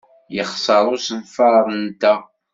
Yexṣer usenfar-nteɣ.